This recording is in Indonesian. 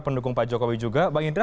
pendukung pak jokowi juga bang indra